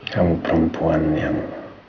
kamu perempuan yang